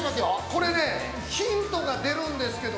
◆これね、ヒントが出るんですけど。